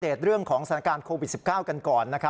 เดรตเรื่องของสถานการณ์โควิด๑๙กันก่อนนะครับ